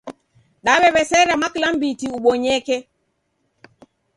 Daw'ew'esera mwakilambiti ubonyeke